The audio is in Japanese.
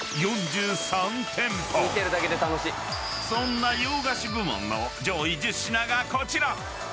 ［そんな洋菓子部門の上位１０品がこちら！］